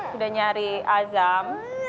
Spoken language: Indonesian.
sudah nyari azam